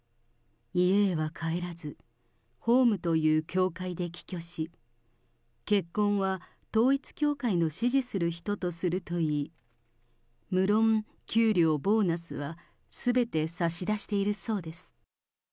家へは帰らず、ホームという教会で起居し、結婚は統一教会の指示する人とするといい、むろん、給料、ボーナスはすべて差し出しているそうです。